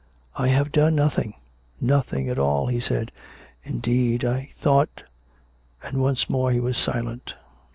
" I have done nothing — nothing at all," he said. " In deed, I thought " And once more he was silent.